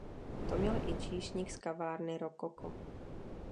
To měl i číšník z kavárny Rokoko.